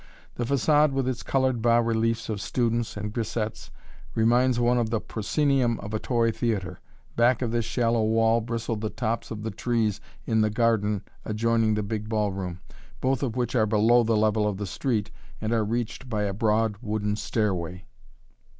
The façade, with its colored bas reliefs of students and grisettes, reminds one of the proscenium of a toy theater. Back of this shallow wall bristle the tops of the trees in the garden adjoining the big ball room, both of which are below the level of the street and are reached by a broad wooden stairway.